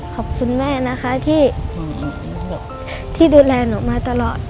ขอบคุณแม่นะคะที่ดูแลหนูมาตลอด